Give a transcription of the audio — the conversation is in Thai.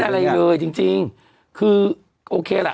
ไม่เป็นอะไรเลยจริงคือโอเคละ